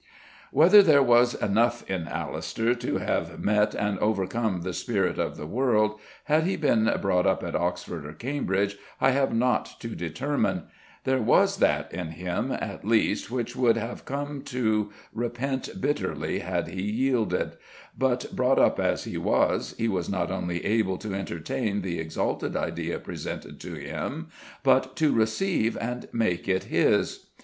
Whether there was enough in Alister to have met and overcome the spirit of the world, had he been brought up at Oxford or Cambridge, I have not to determine; there was that in him at least which would have come to, repent bitterly had he yielded; but brought up as he was, he was not only able to entertain the exalted idea presented to him, but to receive and make it his.